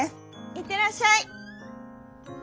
「いってらっしゃい」。